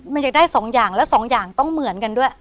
มันจะได้๒อย่างแล้วสองอย่างต้องเหมือนกันด้วย